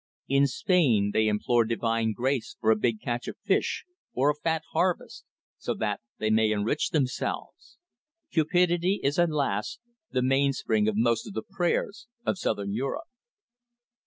In Spain they implore divine grace for a big catch of fish, or a fat harvest, so that they may enrich themselves. Cupidity is, alas, the mainspring of most of the prayers of Southern Europe.